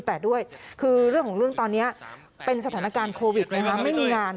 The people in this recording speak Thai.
แต่ด้วยคือเรื่องของเรื่องตอนนี้เป็นสถานการณ์โควิดไงคะไม่มีงาน